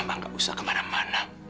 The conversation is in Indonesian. emang gak usah kemana mana